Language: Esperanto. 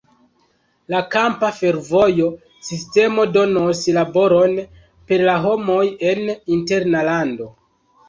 La kampa fervojo sistemo donos laboron per la homoj en interna lando.